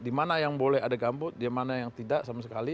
di mana yang boleh ada gambut di mana yang tidak sama sekali